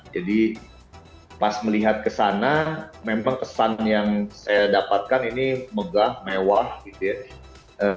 jadi pas melihat kesana memang kesan yang saya dapatkan ini megah mewah gitu ya